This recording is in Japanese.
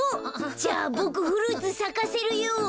じゃあボクフルーツさかせるよ。